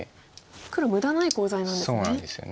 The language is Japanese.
黒無駄ないコウ材なんですね。